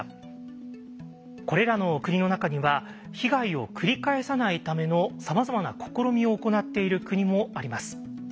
これらの国の中には被害を繰り返さないためのさまざまな試みを行っている国もあります。